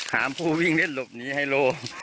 หามผู้วิ่งเล่นหลบหนีไฮโล